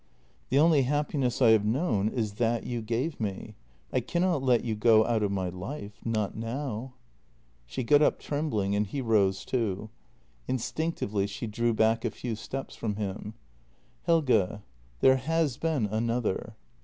The only happiness I have known is that you gave me. I cannot let you go out of my life — not now." She got up, trembling, and he rose too. Instinctively she drew back a few steps from him: " Helge, there has been another."